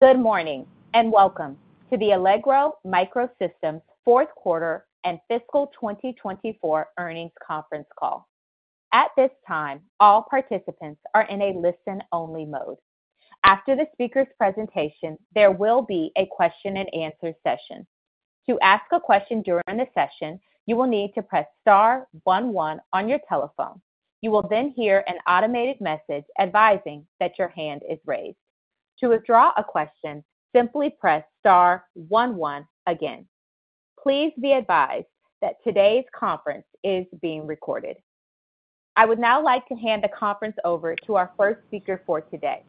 Good morning and welcome to the Allegro MicroSystems fourth quarter and fiscal 2024 earnings conference call. At this time, all participants are in a listen-only mode. After the speaker's presentation, there will be a question-and-answer session. To ask a question during the session, you will need to press star one one on your telephone. You will then hear an automated message advising that your hand is raised. To withdraw a question, simply press star one one again. Please be advised that today's conference is being recorded. I would now like to hand the conference over to our first speaker for today,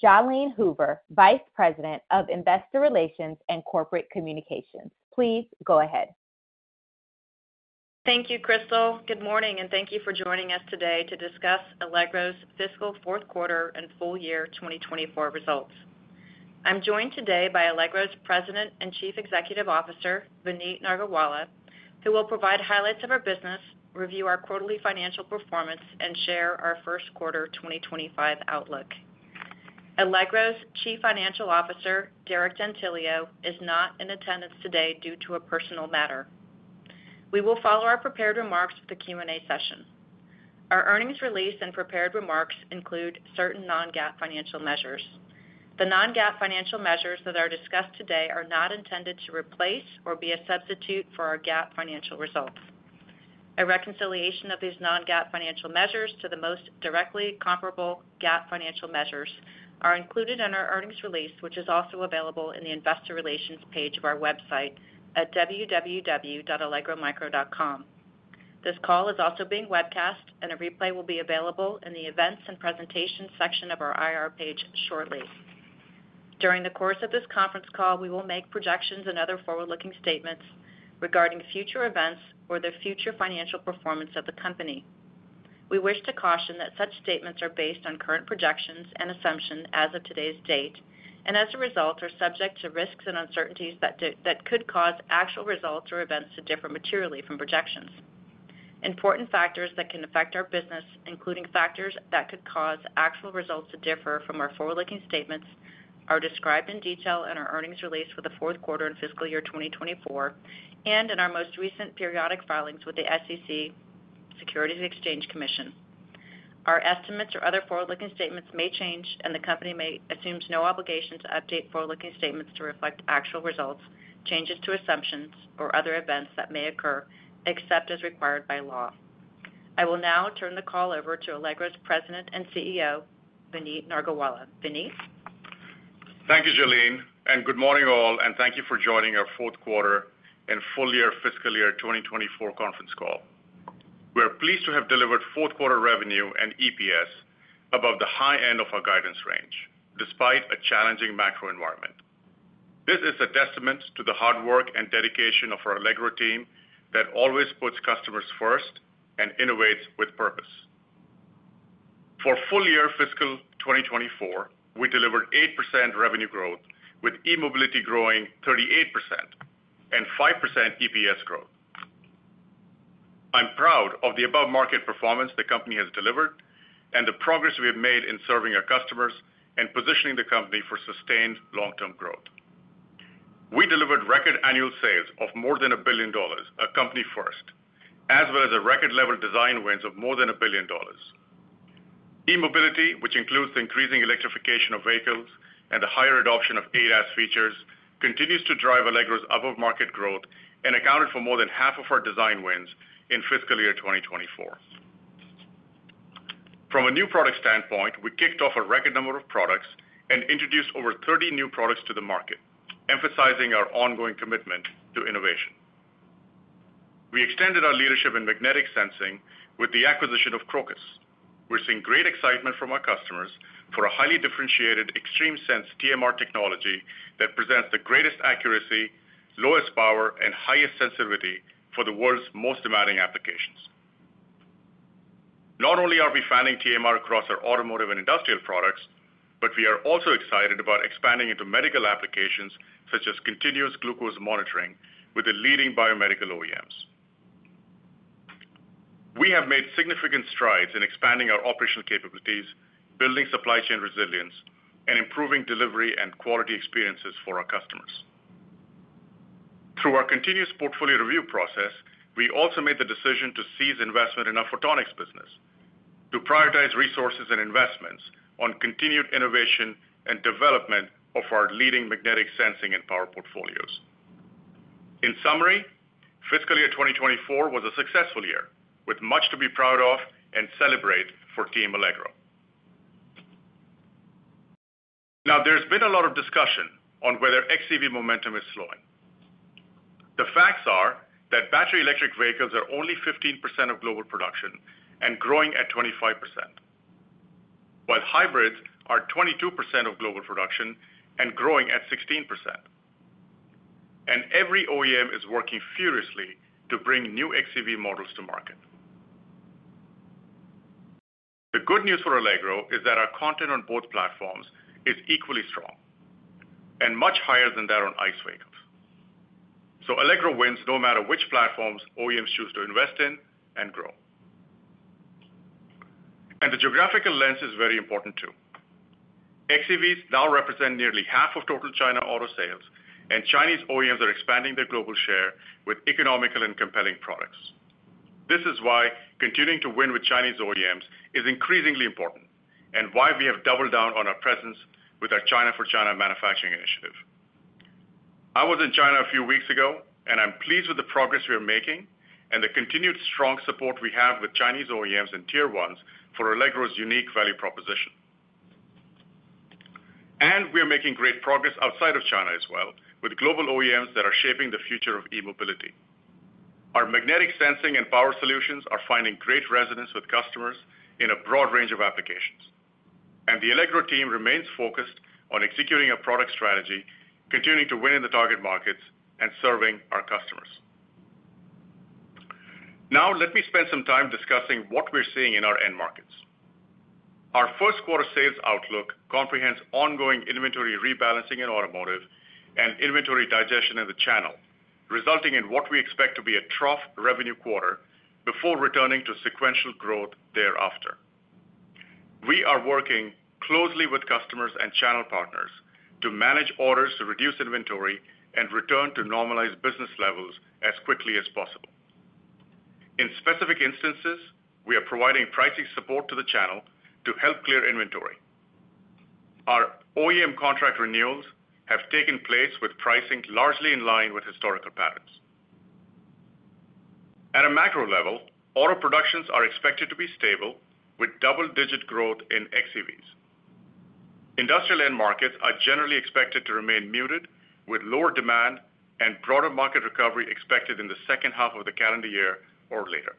Jalene Hoover, Vice President of Investor Relations and Corporate Communications. Please go ahead. Thank you, Crystal. Good morning, and thank you for joining us today to discuss Allegro's fiscal fourth quarter and full year 2024 results. I'm joined today by Allegro's President and Chief Executive Officer, Vineet Nargolwala, who will provide highlights of our business, review our quarterly financial performance, and share our first quarter 2025 outlook. Allegro's Chief Financial Officer, Derek D'Antilio, is not in attendance today due to a personal matter. We will follow our prepared remarks for the Q&A session. Our earnings release and prepared remarks include certain non-GAAP financial measures. The non-GAAP financial measures that are discussed today are not intended to replace or be a substitute for our GAAP financial results. A reconciliation of these non-GAAP financial measures to the most directly comparable GAAP financial measures are included in our earnings release, which is also available in the Investor Relations page of our website at www.allegromicro.com. This call is also being webcast, and a replay will be available in the Events and Presentations section of our IR page shortly. During the course of this conference call, we will make projections and other forward-looking statements regarding future events or the future financial performance of the company. We wish to caution that such statements are based on current projections and assumptions as of today's date, and as a result, are subject to risks and uncertainties that could cause actual results or events to differ materially from projections. Important factors that can affect our business, including factors that could cause actual results to differ from our forward-looking statements, are described in detail in our earnings release for the fourth quarter and fiscal year 2024 and in our most recent periodic filings with the SEC, Securities and Exchange Commission. Our estimates or other forward-looking statements may change, and the company assumes no obligation to update forward-looking statements to reflect actual results, changes to assumptions, or other events that may occur, except as required by law. I will now turn the call over to Allegro's President and CEO, Vineet Nargolwala. Vineet? Thank you, Jalene, and good morning all, and thank you for joining our fourth quarter and full year fiscal year 2024 conference call. We are pleased to have delivered fourth quarter revenue and EPS above the high end of our guidance range, despite a challenging macro environment. This is a testament to the hard work and dedication of our Allegro team that always puts customers first and innovates with purpose. For full year fiscal 2024, we delivered 8% revenue growth, with e-mobility growing 38% and 5% EPS growth. I'm proud of the above-market performance the company has delivered and the progress we have made in serving our customers and positioning the company for sustained long-term growth. We delivered record annual sales of more than $1 billion, a company first, as well as a record-level design wins of more than $1 billion. E-Mobility, which includes the increasing electrification of vehicles and the higher adoption of ADAS features, continues to drive Allegro's above-market growth and accounted for more than half of our design wins in fiscal year 2024. From a new product standpoint, we kicked off a record number of products and introduced over 30 new products to the market, emphasizing our ongoing commitment to innovation. We extended our leadership in magnetic sensing with the acquisition of Crocus. We're seeing great excitement from our customers for a highly differentiated XtremeSense TMR technology that presents the greatest accuracy, lowest power, and highest sensitivity for the world's most demanding applications. Not only are we fanning TMR across our automotive and industrial products, but we are also excited about expanding into medical applications such as continuous glucose monitoring with the leading biomedical OEMs. We have made significant strides in expanding our operational capabilities, building supply chain resilience, and improving delivery and quality experiences for our customers. Through our continuous portfolio review process, we also made the decision to cease investment in our photonics business, to prioritize resources and investments on continued innovation and development of our leading magnetic sensing and power portfolios. In summary, fiscal year 2024 was a successful year with much to be proud of and celebrate for Team Allegro. Now, there's been a lot of discussion on whether xEV momentum is slowing. The facts are that battery electric vehicles are only 15% of global production and growing at 25%, while hybrids are 22% of global production and growing at 16%, and every OEM is working furiously to bring new xEV models to market. The good news for Allegro is that our content on both platforms is equally strong and much higher than that on ICE vehicles. So Allegro wins no matter which platforms OEMs choose to invest in and grow. And the geographical lens is very important too. xEVs now represent nearly half of total China auto sales, and Chinese OEMs are expanding their global share with economical and compelling products. This is why continuing to win with Chinese OEMs is increasingly important and why we have doubled down on our presence with our China for China manufacturing initiative. I was in China a few weeks ago, and I'm pleased with the progress we are making and the continued strong support we have with Chinese OEMs and tier ones for Allegro's unique value proposition. We are making great progress outside of China as well with global OEMs that are shaping the future of e-mobility. Our magnetic sensing and power solutions are finding great resonance with customers in a broad range of applications, and the Allegro team remains focused on executing a product strategy, continuing to win in the target markets, and serving our customers. Now, let me spend some time discussing what we're seeing in our end markets. Our first quarter sales outlook comprehends ongoing inventory rebalancing in automotive and inventory digestion in the channel, resulting in what we expect to be a trough revenue quarter before returning to sequential growth thereafter. We are working closely with customers and channel partners to manage orders, reduce inventory, and return to normalized business levels as quickly as possible. In specific instances, we are providing pricing support to the channel to help clear inventory. Our OEM contract renewals have taken place with pricing largely in line with historical patterns. At a macro level, auto productions are expected to be stable with double-digit growth in xEVs. Industrial end markets are generally expected to remain muted with lower demand and broader market recovery expected in the second half of the calendar year or later.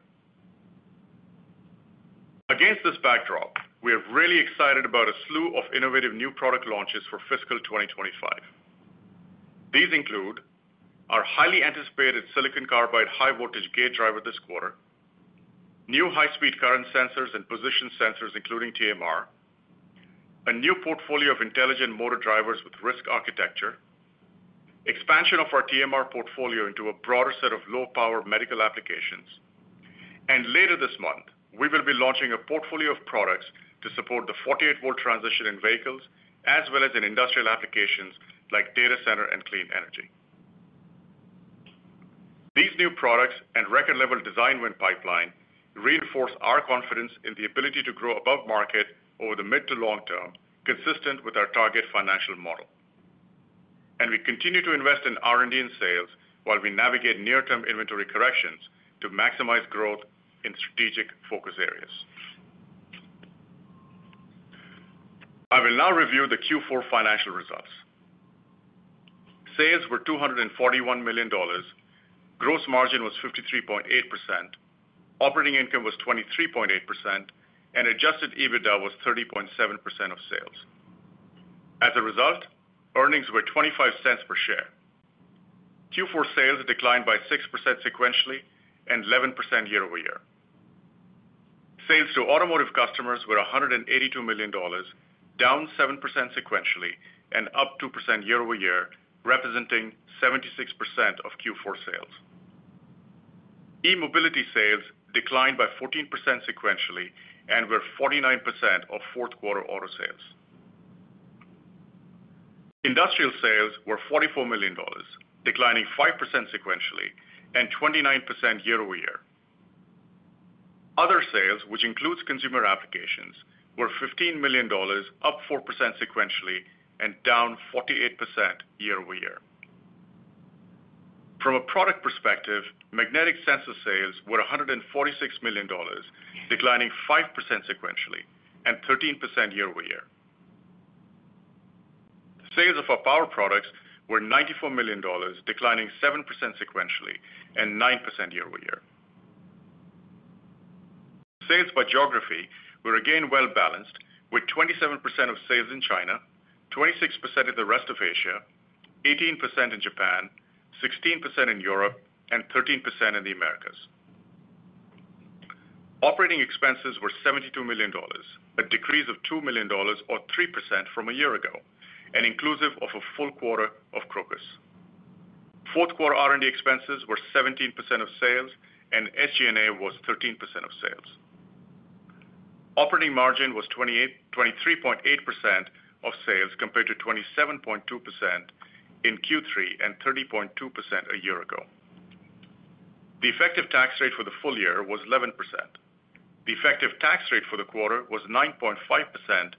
Against this backdrop, we are really excited about a slew of innovative new product launches for fiscal 2025. These include our highly anticipated silicon carbide high-voltage gate driver this quarter, new high-speed current sensors and position sensors including TMR, a new portfolio of intelligent motor drivers with RISC architecture, expansion of our TMR portfolio into a broader set of low-power medical applications, and later this month, we will be launching a portfolio of products to support the 48-volt transition in vehicles as well as in industrial applications like data center and clean energy. These new products and record-level Design Win pipeline reinforce our confidence in the ability to grow above market over the mid to long term, consistent with our target financial model. We continue to invest in R&D and sales while we navigate near-term inventory corrections to maximize growth in strategic focus areas. I will now review the Q4 financial results. Sales were $241 million, gross margin was 53.8%, operating income was 23.8%, and adjusted EBITDA was 30.7% of sales. As a result, earnings were $0.25 per share. Q4 sales declined by 6% sequentially and 11% year-over-year. Sales to automotive customers were $182 million, down 7% sequentially and up 2% year-over-year, representing 76% of Q4 sales. E-Mobility sales declined by 14% sequentially and were 49% of fourth quarter auto sales. Industrial sales were $44 million, declining 5% sequentially and 29% year-over-year. Other sales, which includes consumer applications, were $15 million, up 4% sequentially and down 48% year-over-year. From a product perspective, magnetic sensor sales were $146 million, declining 5% sequentially and 13% year-over-year. Sales of our power products were $94 million, declining 7% sequentially and 9% year-over-year. Sales by geography were again well-balanced, with 27% of sales in China, 26% in the rest of Asia, 18% in Japan, 16% in Europe, and 13% in the Americas. Operating expenses were $72 million, a decrease of $2 million or 3% from a year ago, and inclusive of a full quarter of Crocus. Fourth quarter R&D expenses were 17% of sales, and SG&A was 13% of sales. Operating margin was 23.8% of sales compared to 27.2% in Q3 and 30.2% a year ago. The effective tax rate for the full year was 11%. The effective tax rate for the quarter was 9.5%,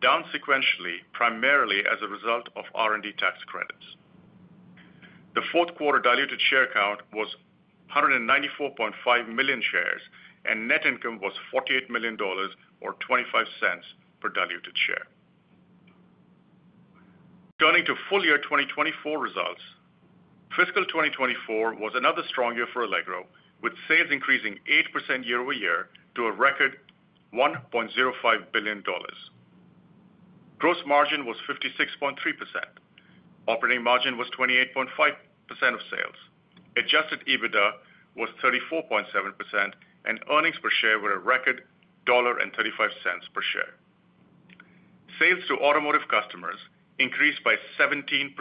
down sequentially primarily as a result of R&D tax credits. The fourth quarter diluted share count was 194.5 million shares, and net income was $48 million or $0.25 per diluted share. Turning to full year 2024 results, fiscal 2024 was another strong year for Allegro, with sales increasing 8% year-over-year to a record $1.05 billion. Gross margin was 56.3%. Operating margin was 28.5% of sales. Adjusted EBITDA was 34.7%, and earnings per share were a record $1.35 per share. Sales to automotive customers increased by 17%,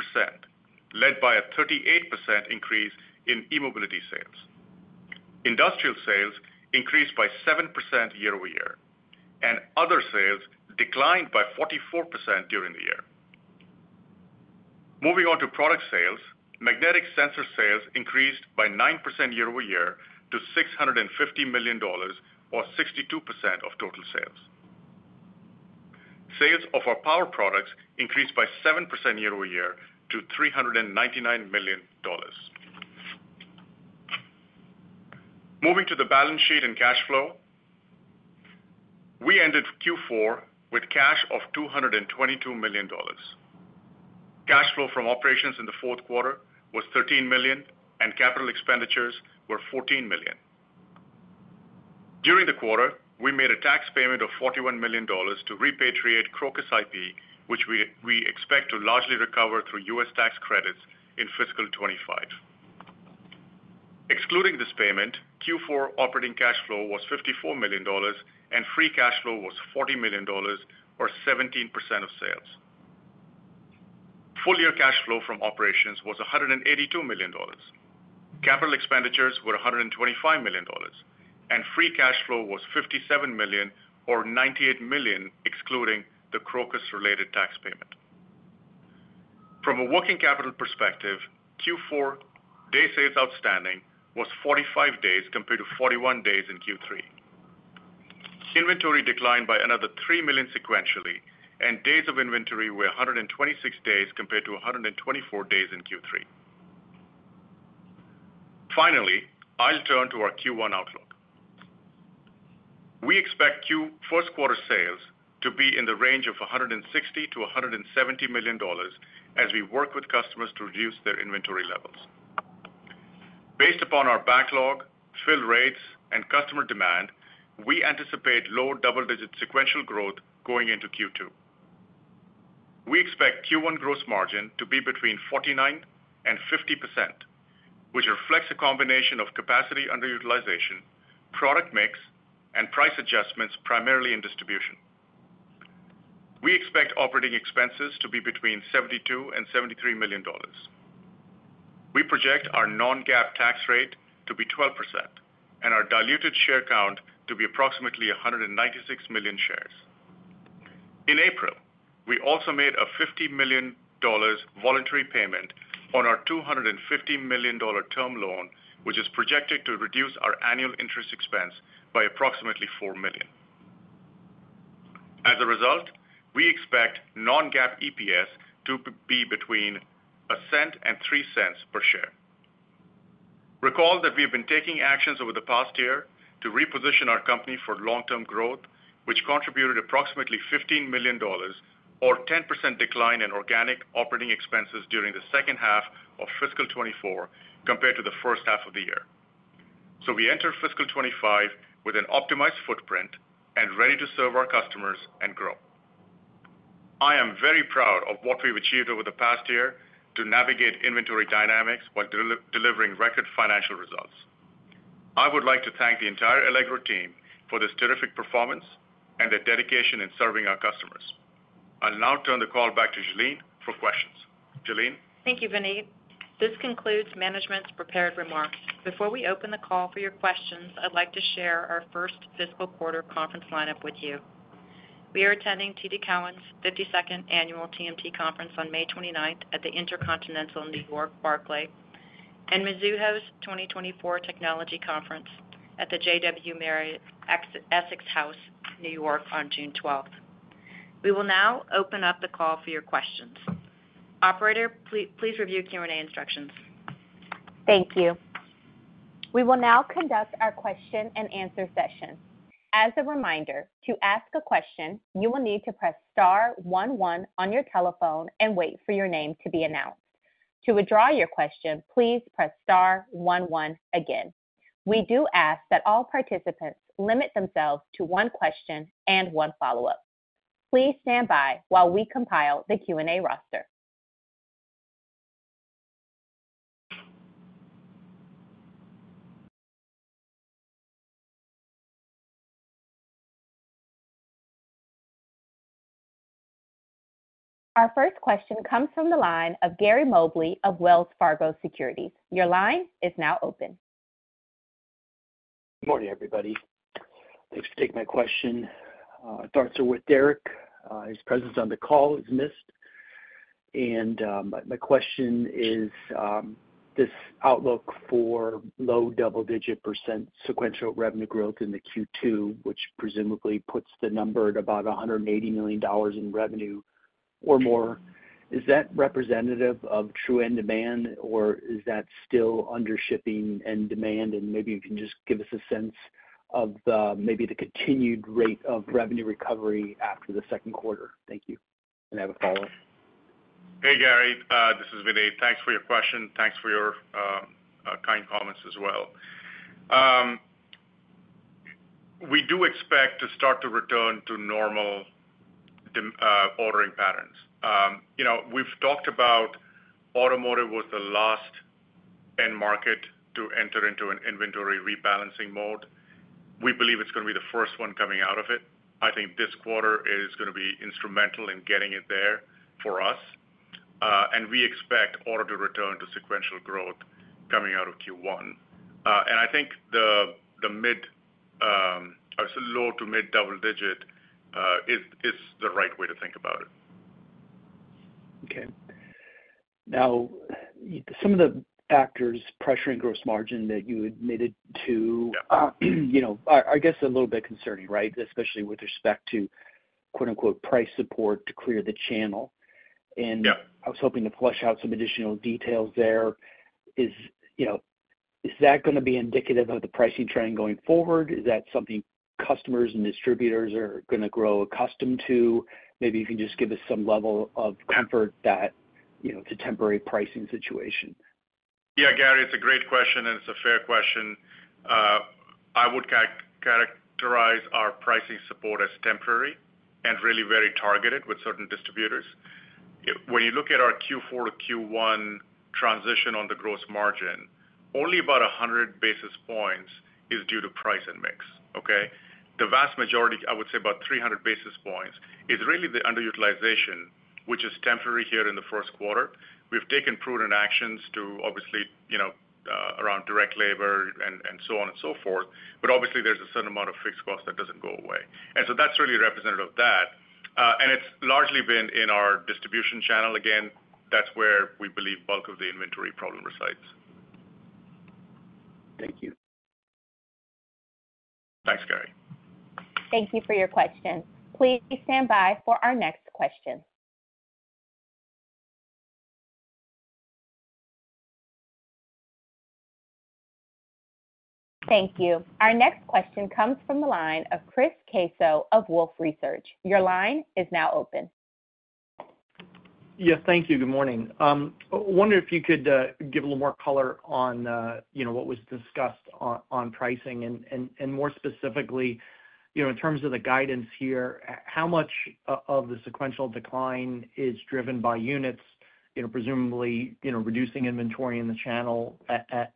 led by a 38% increase in e-mobility sales. Industrial sales increased by 7% year-over-year, and other sales declined by 44% during the year. Moving on to product sales, magnetic sensor sales increased by 9% year-over-year to $650 million or 62% of total sales. Sales of our power products increased by 7% year-over-year to $399 million. Moving to the balance sheet and cash flow, we ended Q4 with cash of $222 million. Cash flow from operations in the fourth quarter was $13 million, and capital expenditures were $14 million. During the quarter, we made a tax payment of $41 million to repatriate Crocus IP, which we expect to largely recover through U.S. tax credits in fiscal 2025. Excluding this payment, Q4 operating cash flow was $54 million, and free cash flow was $40 million or 17% of sales. Full year cash flow from operations was $182 million. Capital expenditures were $125 million, and free cash flow was $57 million or $98 million excluding the Crocus-related tax payment. From a working capital perspective, Q4 day sales outstanding was 45 days compared to 41 days in Q3. Inventory declined by another $3 million sequentially, and days of inventory were 126 days compared to 124 days in Q3. Finally, I'll turn to our Q1 outlook. We expect Q1 quarter sales to be in the range of $160 million-$170 million as we work with customers to reduce their inventory levels. Based upon our backlog, fill rates, and customer demand, we anticipate low double-digit sequential growth going into Q2. We expect Q1 gross margin to be between 49%-50%, which reflects a combination of capacity underutilization, product mix, and price adjustments primarily in distribution. We expect operating expenses to be between $72 million-$73 million. We project our non-GAAP tax rate to be 12% and our diluted share count to be approximately 196 million shares. In April, we also made a $50 million voluntary payment on our $250 million term loan, which is projected to reduce our annual interest expense by approximately $4 million. As a result, we expect non-GAAP EPS to be between $0.01 and $0.03 per share. Recall that we have been taking actions over the past year to reposition our company for long-term growth, which contributed approximately $15 million or 10% decline in organic operating expenses during the second half of fiscal 2024 compared to the first half of the year. So we enter fiscal 2025 with an optimized footprint and ready to serve our customers and grow. I am very proud of what we've achieved over the past year to navigate inventory dynamics while delivering record financial results. I would like to thank the entire Allegro team for this terrific performance and their dedication in serving our customers. I'll now turn the call back to Jalene for questions. Jalene? Thank you, Vineet. This concludes management's prepared remarks. Before we open the call for your questions, I'd like to share our first fiscal quarter conference lineup with you. We are attending TD Cowen's 52nd Annual TMT Conference on May 29th at the InterContinental New York Barclay and Mizuho's 2024 Technology Conference at the JW Marriott Essex House, New York, on June 12th. We will now open up the call for your questions. Operator, please review Q&A instructions. Thank you. We will now conduct our question and answer session. As a reminder, to ask a question, you will need to press star one one on your telephone and wait for your name to be announced. To withdraw your question, please press star one one again. We do ask that all participants limit themselves to one question and one follow-up. Please stand by while we compile the Q&A roster. Our first question comes from the line of Gary Mobley of Wells Fargo Securities. Your line is now open. Good morning, everybody. Thanks for taking my question. I thought it was with Derek. His presence on the call is missed. My question is this outlook for low double-digit % sequential revenue growth in the Q2, which presumably puts the number at about $180 million in revenue or more, is that representative of true end demand, or is that still under shipping end demand? Maybe you can just give us a sense of maybe the continued rate of revenue recovery after the second quarter. Thank you. I have a follow-up. Hey, Gary. This is Vinnet. Thanks for your question. Thanks for your kind comments as well. We do expect to start to return to normal ordering patterns. We've talked about automotive was the last end market to enter into an inventory rebalancing mode. We believe it's going to be the first one coming out of it. I think this quarter is going to be instrumental in getting it there for us. And we expect auto to return to sequential growth coming out of Q1. And I think the mid I would say low to mid double-digit is the right way to think about it. Okay. Now, some of the factors pressuring gross margin that you admitted to, I guess, a little bit concerning, right, especially with respect to "price support" to clear the channel. I was hoping to flush out some additional details there. Is that going to be indicative of the pricing trend going forward? Is that something customers and distributors are going to grow accustomed to? Maybe you can just give us some level of comfort that it's a temporary pricing situation. Yeah, Gary, it's a great question, and it's a fair question. I would characterize our pricing support as temporary and really very targeted with certain distributors. When you look at our Q4 to Q1 transition on the gross margin, only about 100 basis points is due to price and mix, okay? The vast majority, I would say about 300 basis points, is really the underutilization, which is temporary here in the first quarter. We've taken prudent actions to obviously around direct labor and so on and so forth. But obviously, there's a certain amount of fixed cost that doesn't go away. And so that's really representative of that. And it's largely been in our distribution channel. Again, that's where we believe bulk of the inventory problem resides. Thank you. Thanks, Gary. Thank you for your question. Please stand by for our next question. Thank you. Our next question comes from the line of Chris Caso of Wolfe Research. Your line is now open. Yes, thank you. Good morning. I wonder if you could give a little more color on what was discussed on pricing. And more specifically, in terms of the guidance here, how much of the sequential decline is driven by units, presumably reducing inventory in the channel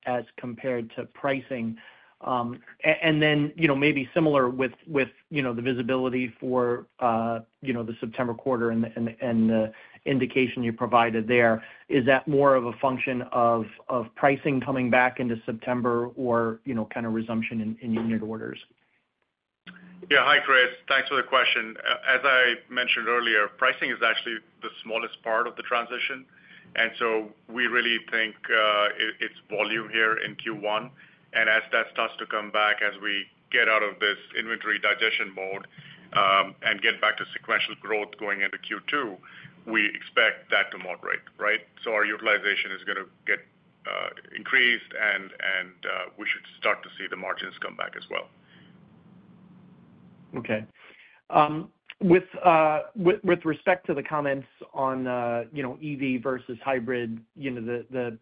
as compared to pricing? And then maybe similar with the visibility for the September quarter and the indication you provided there, is that more of a function of pricing coming back into September or kind of resumption in unit orders? Yeah. Hi, Chris. Thanks for the question. As I mentioned earlier, pricing is actually the smallest part of the transition. And so we really think it's volume here in Q1. And as that starts to come back, as we get out of this inventory digestion mode and get back to sequential growth going into Q2, we expect that to moderate, right? So our utilization is going to get increased, and we should start to see the margins come back as well. Okay. With respect to the comments on EV versus hybrid, the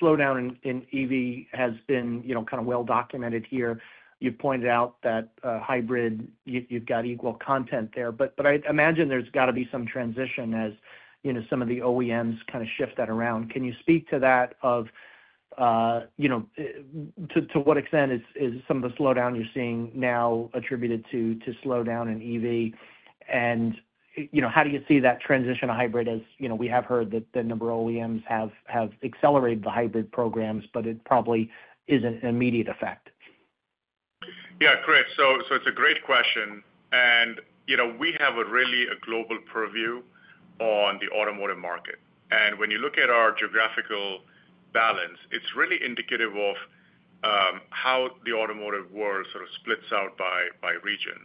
slowdown in EV has been kind of well-documented here. You've pointed out that hybrid, you've got equal content there. But I imagine there's got to be some transition as some of the OEMs kind of shift that around. Can you speak to that, to what extent is some of the slowdown you're seeing now attributed to slowdown in EV? And how do you see that transition to hybrid? We have heard that the number of OEMs have accelerated the hybrid programs, but it probably isn't an immediate effect. Yeah, Chris. So it's a great question. We have really a global purview on the automotive market. When you look at our geographical balance, it's really indicative of how the automotive world sort of splits out by region.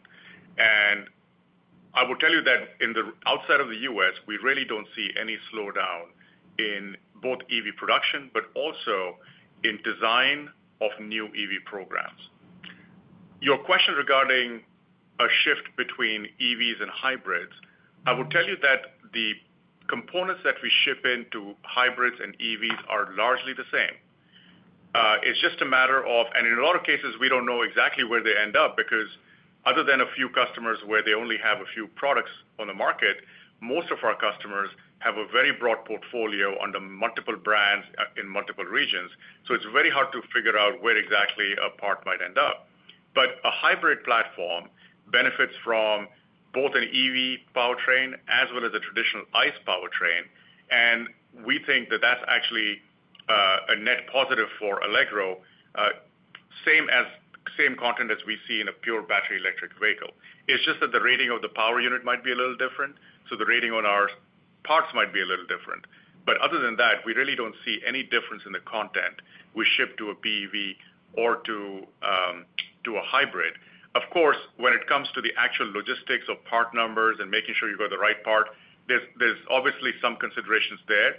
I will tell you that in the outside of the US, we really don't see any slowdown in both EV production but also in design of new EV programs. Your question regarding a shift between EVs and hybrids, I would tell you that the components that we ship into hybrids and EVs are largely the same. It's just a matter of, and in a lot of cases, we don't know exactly where they end up because other than a few customers where they only have a few products on the market, most of our customers have a very broad portfolio under multiple brands in multiple regions. It's very hard to figure out where exactly a part might end up. A hybrid platform benefits from both an EV powertrain as well as a traditional ICE powertrain. We think that that's actually a net positive for Allegro, same content as we see in a pure battery electric vehicle. It's just that the rating of the power unit might be a little different. The rating on our parts might be a little different. Other than that, we really don't see any difference in the content we ship to a BEV or to a hybrid. Of course, when it comes to the actual logistics of part numbers and making sure you got the right part, there's obviously some considerations there.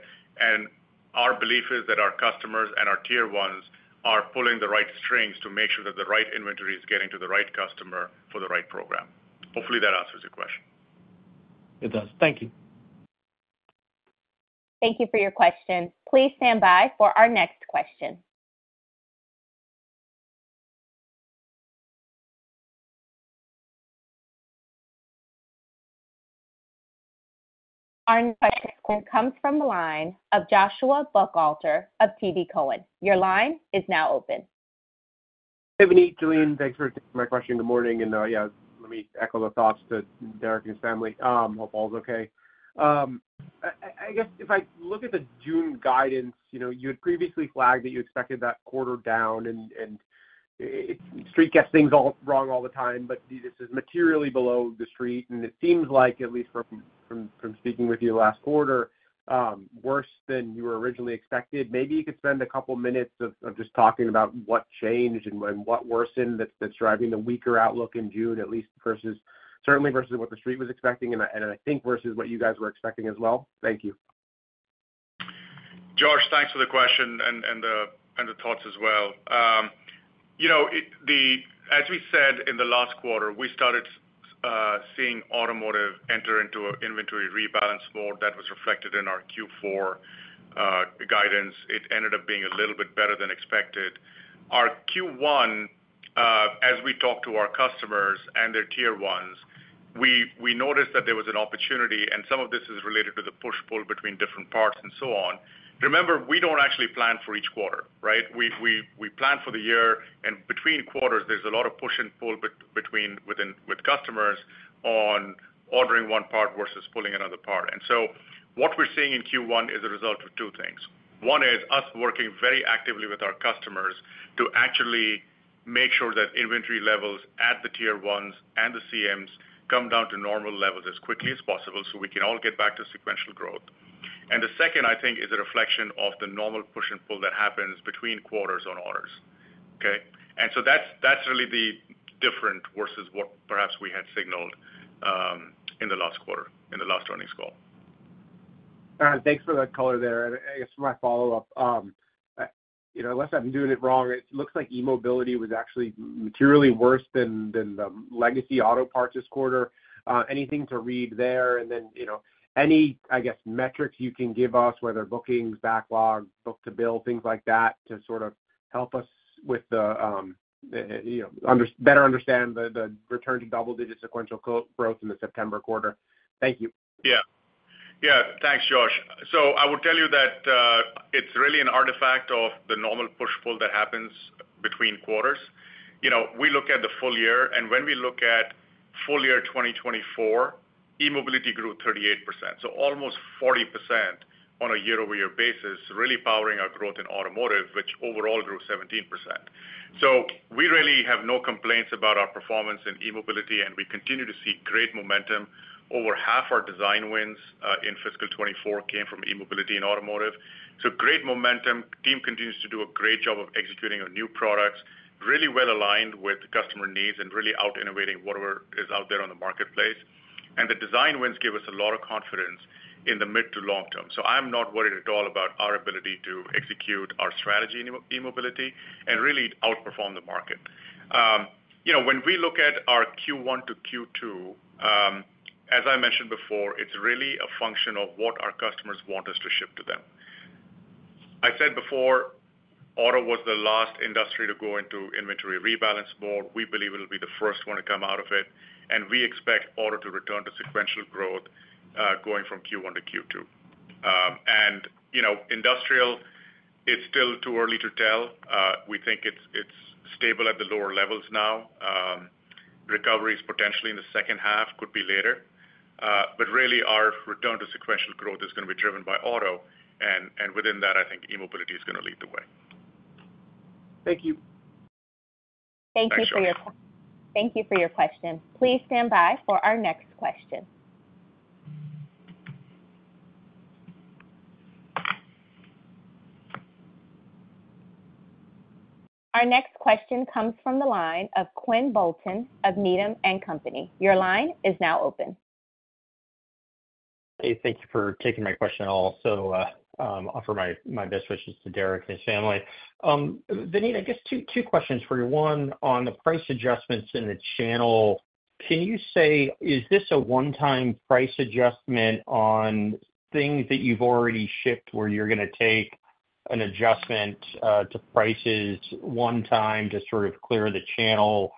Our belief is that our customers and our tier ones are pulling the right strings to make sure that the right inventory is getting to the right customer for the right program. Hopefully, that answers your question. It does. Thank you. Thank you for your question. Please stand by for our next question. Our next question comes from the line of Joshua Buchalter of TD Cowen. Your line is now open. Hey, Vineet. Jalene, thanks for taking my question. Good morning. Yeah, let me echo the thoughts to Derek and his family. Hope all's okay. I guess if I look at the June guidance, you had previously flagged that you expected that quarter down. Street guesses things wrong all the time, but this is materially below the Street. It seems like, at least from speaking with you last quarter, worse than you were originally expected. Maybe you could spend a couple of minutes of just talking about what changed and what worsened that's driving the weaker outlook in June, certainly versus what the Street was expecting, and I think versus what you guys were expecting as well. Thank you. Josh, thanks for the question and the thoughts as well. As we said in the last quarter, we started seeing automotive enter into an inventory rebalance mode that was reflected in our Q4 guidance. It ended up being a little bit better than expected. Our Q1, as we talked to our customers and their Tier Ones, we noticed that there was an opportunity. And some of this is related to the push-pull between different parts and so on. Remember, we don't actually plan for each quarter, right? We plan for the year. And between quarters, there's a lot of push and pull with customers on ordering one part versus pulling another part. And so what we're seeing in Q1 is a result of two things. One is us working very actively with our customers to actually make sure that inventory levels at the Tier Ones and the CMs come down to normal levels as quickly as possible so we can all get back to sequential growth. And the second, I think, is a reflection of the normal push and pull that happens between quarters on orders, okay? And so that's really the different versus what perhaps we had signaled in the last quarter in the last earnings call. Thanks for that color there. And I guess for my follow-up, unless I'm doing it wrong, it looks like E-Mobility was actually materially worse than the legacy auto parts this quarter. Anything to read there? And then any, I guess, metrics you can give us, whether bookings, backlog, book-to-bill, things like that to sort of help us better understand the return to double-digit sequential growth in the September quarter. Thank you. Yeah. Yeah. Thanks, Josh. So I would tell you that it's really an artifact of the normal push-pull that happens between quarters. We look at the full year. And when we look at full year 2024, e-mobility grew 38%, so almost 40% on a year-over-year basis, really powering our growth in automotive, which overall grew 17%. So we really have no complaints about our performance in e-mobility. And we continue to see great momentum. Over half our design wins in fiscal 2024 came from e-mobility and automotive. So great momentum. The team continues to do a great job of executing our new products, really well aligned with the customer needs and really out-innovating whatever is out there on the marketplace. And the design wins gave us a lot of confidence in the mid to long term. So I'm not worried at all about our ability to execute our strategy in e-mobility and really outperform the market. When we look at our Q1 to Q2, as I mentioned before, it's really a function of what our customers want us to ship to them. I said before, auto was the last industry to go into inventory rebalance mode. We believe it'll be the first one to come out of it. And we expect auto to return to sequential growth going from Q1 to Q2. And industrial, it's still too early to tell. We think it's stable at the lower levels now. Recovery is potentially in the second half, could be later. But really, our return to sequential growth is going to be driven by auto. And within that, I think e-mobility is going to lead the way. Thank you. Thank you for your question. Thank you for your question. Please stand by for our next question. Our next question comes from the line of Quinn Bolton of Needham & Company. Your line is now open. Hey, thank you for taking my question at all. So I'll offer my best wishes to Derek and his family. Vinnet, I guess two questions for you. One, on the price adjustments in the channel, can you say, is this a one-time price adjustment on things that you've already shipped where you're going to take an adjustment to prices one time to sort of clear the channel?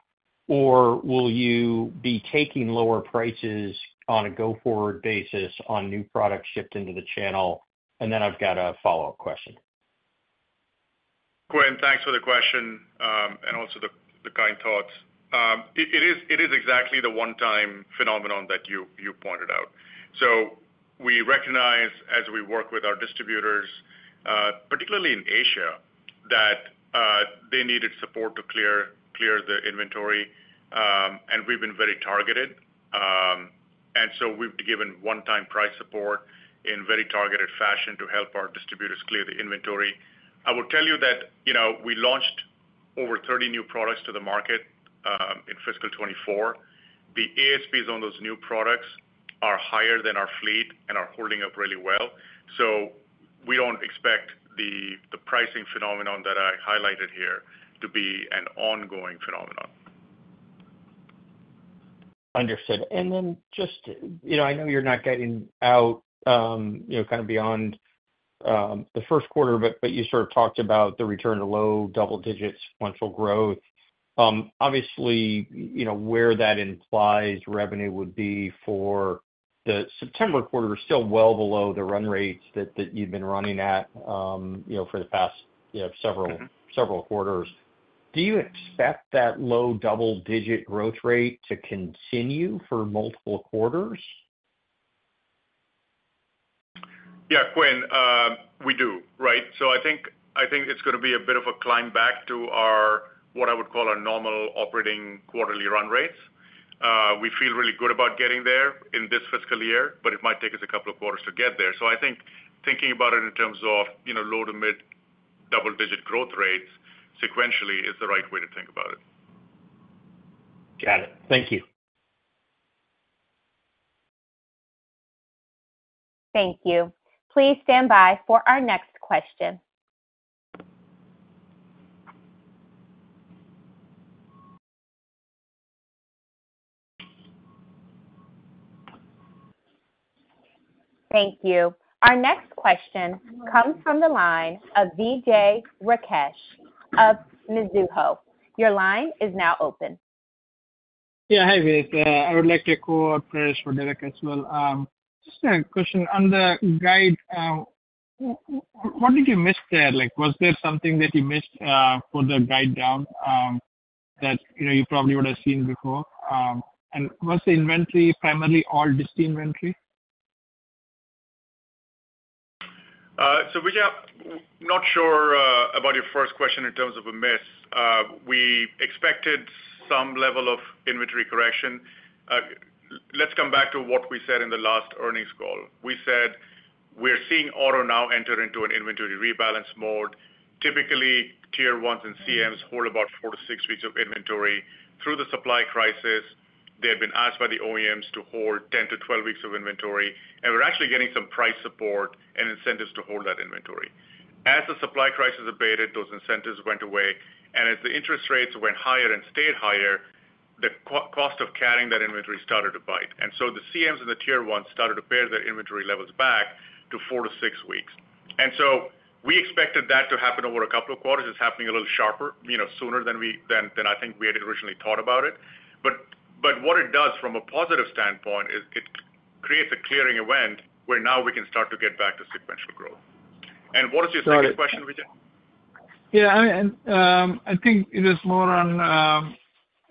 Or will you be taking lower prices on a go-forward basis on new products shipped into the channel? And then I've got a follow-up question. Quinn, thanks for the question and also the kind thoughts. It is exactly the one-time phenomenon that you pointed out. So we recognize, as we work with our distributors, particularly in Asia, that they needed support to clear the inventory. And we've been very targeted. And so we've given one-time price support in a very targeted fashion to help our distributors clear the inventory. I would tell you that we launched over 30 new products to the market in fiscal 2024. The ASPs on those new products are higher than our fleet and are holding up really well. So we don't expect the pricing phenomenon that I highlighted here to be an ongoing phenomenon. Understood. Then just, I know you're not getting out kind of beyond the first quarter, but you sort of talked about the return to low double-digit sequential growth. Obviously, where that implies revenue would be for the September quarter is still well below the run rates that you've been running at for the past several quarters. Do you expect that low double-digit growth rate to continue for multiple quarters? Yeah, Quinn, we do, right? So I think it's going to be a bit of a climb back to what I would call our normal operating quarterly run rates. We feel really good about getting there in this fiscal year, but it might take us a couple of quarters to get there. So I think thinking about it in terms of low to mid double-digit growth rates sequentially is the right way to think about it. Got it. Thank you. Thank you. Please stand by for our next question. Thank you. Our next question comes from the line of Vijay Rakesh of Mizuho. Your line is now open. Yeah, hi, Vineet. I would like to call up for Derek as well. Just a question. On the guidance, what did you miss there? Was there something that you missed for the guidance down that you probably would have seen before? And was the inventory primarily all distributor inventory? We're not sure about your first question in terms of a miss. We expected some level of inventory correction. Let's come back to what we said in the last earnings call. We said we're seeing auto now enter into an inventory rebalance mode. Typically, tier ones and CMs hold about four to six weeks of inventory. Through the supply crisis, they had been asked by the OEMs to hold 10-12 weeks of inventory. We're actually getting some price support and incentives to hold that inventory. As the supply crisis abated, those incentives went away. As the interest rates went higher and stayed higher, the cost of carrying that inventory started to bite. The CMs and tier ones started to pare their inventory levels back to four to six weeks. We expected that to happen over a couple of quarters. It's happening a little sharper, sooner than I think we had originally thought about it. But what it does from a positive standpoint is it creates a clearing event where now we can start to get back to sequential growth. And what is your second question, Vijay? Yeah. I mean, I think it is more on.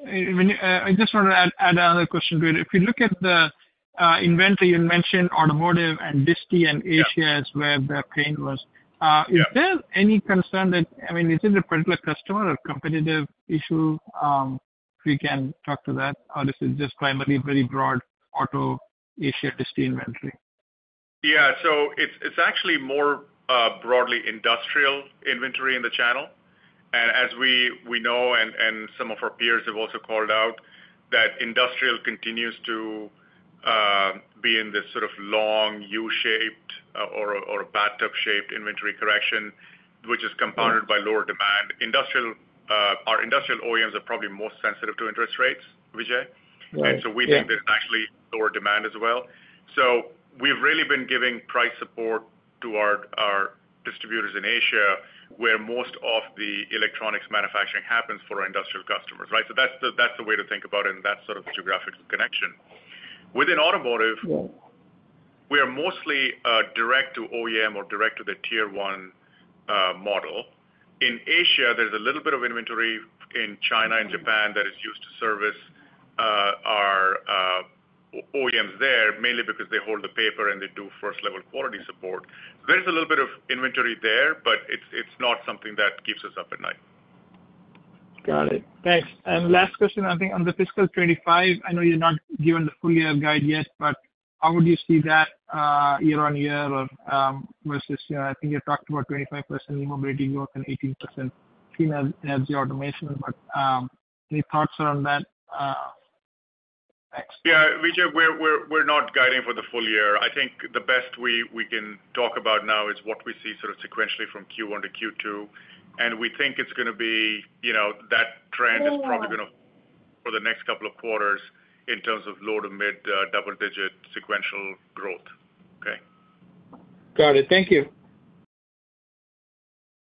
I just want to add another question to it. If you look at the inventory, you mentioned automotive and DiSTI and Asia as where the pain was. Is there any concern that I mean, is it a particular customer or competitive issue? If we can talk to that, or is it just primarily very broad auto Asia DiSTI inventory? Yeah. So it's actually more broadly industrial inventory in the channel. And as we know and some of our peers have also called out, that industrial continues to be in this sort of long U-shaped or bathtub-shaped inventory correction, which is compounded by lower demand. Our industrial OEMs are probably most sensitive to interest rates, Vijay. And so we think there's actually lower demand as well. So we've really been giving price support to our distributors in Asia where most of the electronics manufacturing happens for our industrial customers, right? So that's the way to think about it in that sort of geographical connection. Within automotive, we are mostly direct to OEM or direct to the Tier One model. In Asia, there's a little bit of inventory in China and Japan that is used to service our OEMs there, mainly because they hold the paper and they do first-level quality support. So there's a little bit of inventory there, but it's not something that keeps us up at night. Got it. Thanks. Last question, I think on the fiscal 2025, I know you're not given the full year guide yet, but how would you see that year-on-year versus I think you talked about 25% E-Mobility growth and 18% CMs in SG Automation. But any thoughts around that? Thanks. Yeah, Vijay, we're not guiding for the full year. I think the best we can talk about now is what we see sort of sequentially from Q1 to Q2. We think it's going to be that trend is probably going to for the next couple of quarters in terms of low to mid double-digit sequential growth, okay? Got it. Thank you.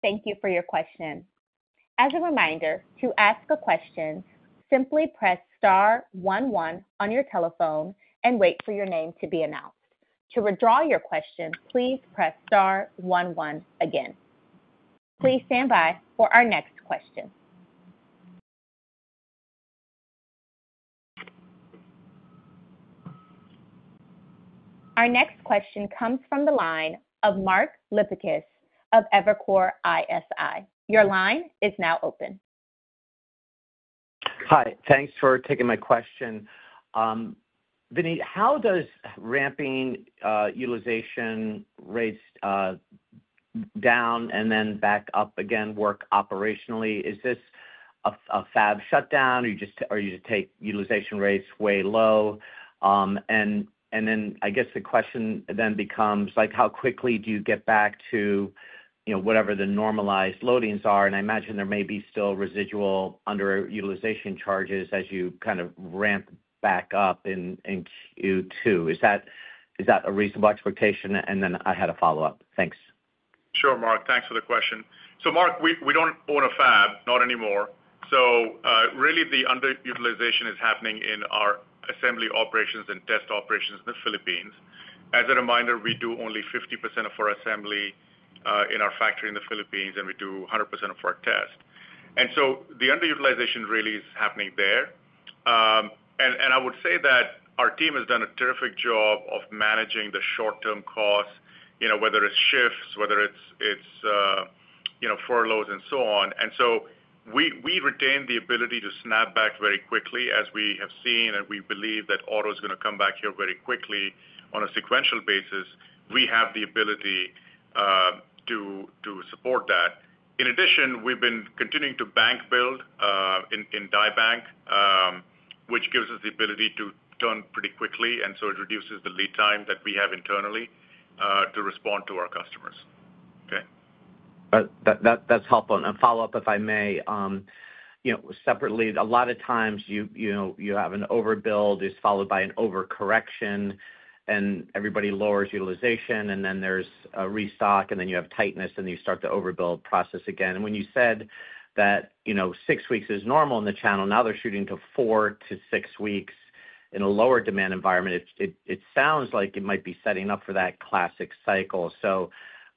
Thank you for your question. As a reminder, to ask a question, simply press star one one on your telephone and wait for your name to be announced. To withdraw your question, please press star one one again. Please stand by for our next question. Our next question comes from the line of Mark Lipacis of Evercore ISI. Your line is now open. Hi. Thanks for taking my question. Vineet, how does ramping utilization rates down and then back up again work operationally? Is this a fab shutdown, or you just take utilization rates way low? And then I guess the question then becomes, how quickly do you get back to whatever the normalized loadings are? And I imagine there may be still residual underutilization charges as you kind of ramp back up in Q2. Is that a reasonable expectation? And then I had a follow-up. Thanks. Sure, Mark. Thanks for the question. So Mark, we don't own a fab, not anymore. So really, the underutilization is happening in our assembly operations and test operations in the Philippines. As a reminder, we do only 50% of our assembly in our factory in the Philippines, and we do 100% of our tests. And so the underutilization really is happening there. And I would say that our team has done a terrific job of managing the short-term costs, whether it's shifts, whether it's furloughs, and so on. And so we retain the ability to snap back very quickly. As we have seen, and we believe that auto is going to come back here very quickly on a sequential basis, we have the ability to support that. In addition, we've been continuing to bank build in die bank, which gives us the ability to turn pretty quickly. It reduces the lead time that we have internally to respond to our customers, okay? That's helpful. And follow up, if I may. Separately, a lot of times, you have an overbuild that's followed by an overcorrection, and everybody lowers utilization. And then there's a restock, and then you have tightness, and then you start the overbuild process again. And when you said that six weeks is normal in the channel, now they're shooting to four to six weeks in a lower demand environment. It sounds like it might be setting up for that classic cycle. So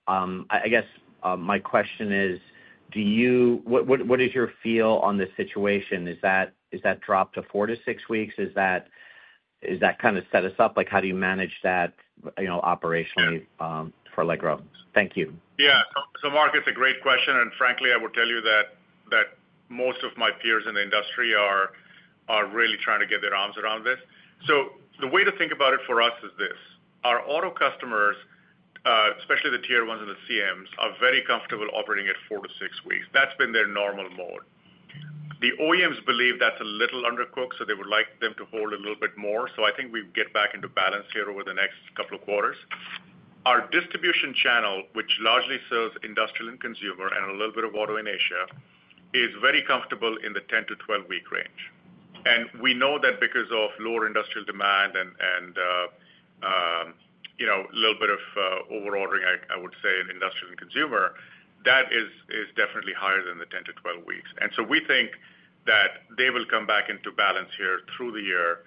I guess my question is, what is your feel on this situation? Is that drop to four to six weeks? Is that kind of set us up? How do you manage that operationally for Allegro? Thank you. Yeah. So Mark, it's a great question. And frankly, I would tell you that most of my peers in the industry are really trying to get their arms around this. So the way to think about it for us is this: our auto customers, especially the Tier Ones and the CMs, are very comfortable operating at four to six weeks. That's been their normal mode. The OEMs believe that's a little undercooked, so they would like them to hold a little bit more. So I think we get back into balance here over the next couple of quarters. Our distribution channel, which largely sells industrial and consumer and a little bit of auto in Asia, is very comfortable in the 10-12-week range. We know that because of lower industrial demand and a little bit of overordering, I would say, in industrial and consumer, that is definitely higher than the 10-12 weeks. So we think that they will come back into balance here through the year.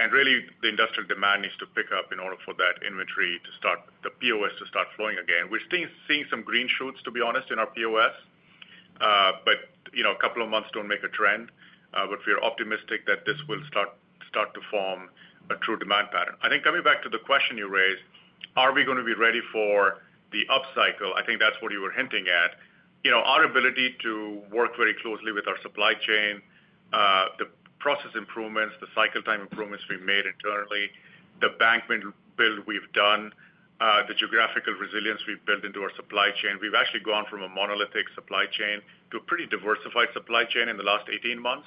Really, the industrial demand needs to pick up in order for that inventory to start, the POS to start flowing again. We're seeing some green shoots, to be honest, in our POS. But a couple of months don't make a trend. We are optimistic that this will start to form a true demand pattern. I think coming back to the question you raised, are we going to be ready for the upcycle? I think that's what you were hinting at. Our ability to work very closely with our supply chain, the process improvements, the cycle time improvements we've made internally, the bank build we've done, the geographical resilience we've built into our supply chain, we've actually gone from a monolithic supply chain to a pretty diversified supply chain in the last 18 months.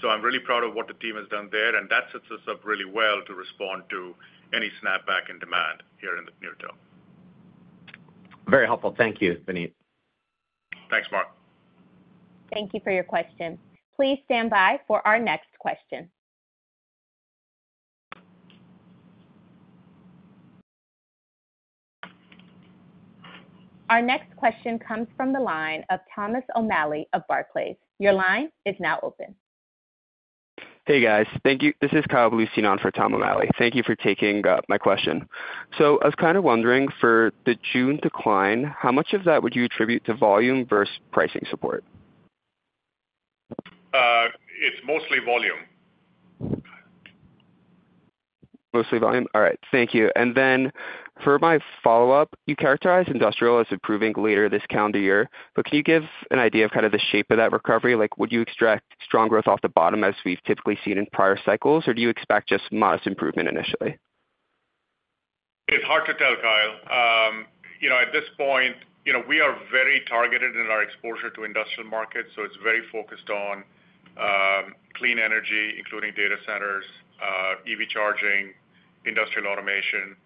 So I'm really proud of what the team has done there. And that sets us up really well to respond to any snapback in demand here in the near term. Very helpful. Thank you, Vineet. Thanks, Mark. Thank you for your question. Please stand by for our next question. Our next question comes from the line of Thomas O'Malley of Barclays. Your line is now open. Hey, guys. This is Kyle Lucian for Tom O'Malley. Thank you for taking my question. So I was kind of wondering, for the June decline, how much of that would you attribute to volume versus pricing support? It's mostly volume. Mostly volume? All right. Thank you. For my follow-up, you characterize industrial as improving later this calendar year. But can you give an idea of kind of the shape of that recovery? Would you expect strong growth off the bottom as we've typically seen in prior cycles, or do you expect just modest improvement initially? It's hard to tell, Kyle. At this point, we are very targeted in our exposure to industrial markets. So it's very focused on clean energy, including data centers, EV charging, industrial automation.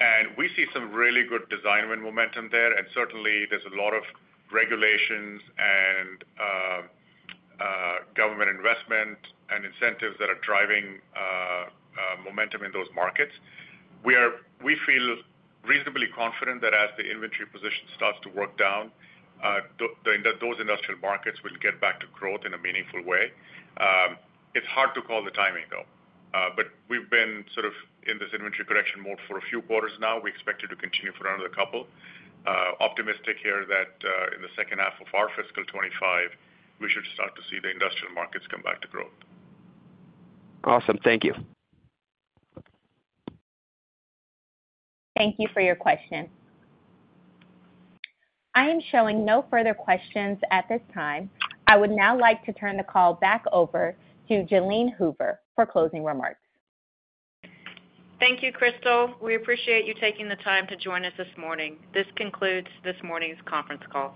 And we see some really good design win momentum there. And certainly, there's a lot of regulations and government investment and incentives that are driving momentum in those markets. We feel reasonably confident that as the inventory position starts to work down, those industrial markets will get back to growth in a meaningful way. It's hard to call the timing, though. But we've been sort of in this inventory correction mode for a few quarters now. We expect it to continue for another couple. Optimistic here that in the second half of our fiscal 2025, we should start to see the industrial markets come back to growth. Awesome. Thank you. Thank you for your question. I am showing no further questions at this time. I would now like to turn the call back over to Jalene Hoover for closing remarks. Thank you, Crystal. We appreciate you taking the time to join us this morning. This concludes this morning's conference call.